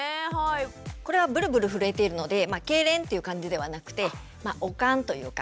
これはブルブル震えているのでけいれんっていう感じではなくて悪寒というか。